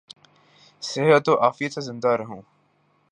صحت و عافیت سے زندہ رہوں